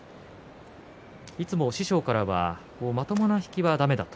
いつも師匠からはまともな引きは、だめだ。